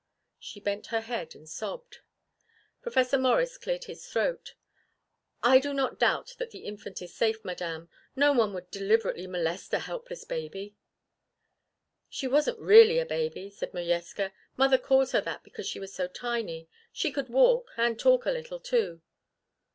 She bent her head and sobbed. Professor Morris cleared his throat. "I do not doubt that the infant is safe, Madame. No one would deliberately molest a helpless baby." "She wasn't really a baby," said Modjeska. "Mother calls her that because she was so tiny. She could walk, and talk a little too."